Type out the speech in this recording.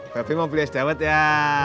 tapi mau beli es dawet ya